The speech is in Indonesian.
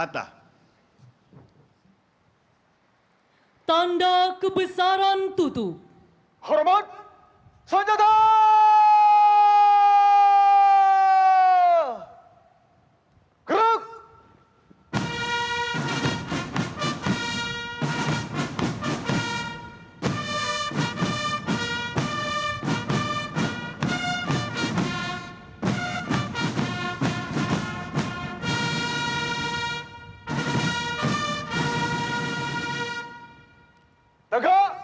tanda kebesaran buka